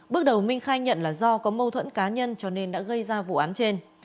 bước đầu minh khai nhận là do có mâu thuẫn cá nhân cho nên đã gây ra vụ án trên